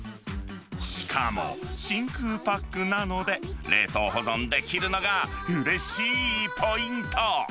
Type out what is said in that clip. しかも、真空パックなので、冷凍保存できるのがうれしいポイント。